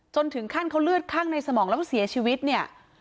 จนถึงขั้นเขาเลือดข้างในสมองแล้วเสียชีวิตเนี่ย